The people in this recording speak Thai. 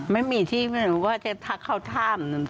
ไม่มีที่ว่าจะทักเขาถาม